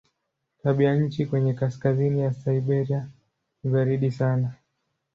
Tabianchi kwenye kaskazini ya Siberia ni baridi sana.